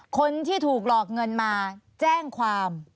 คนที่ถูกหลอกเงินมาแจ้งความ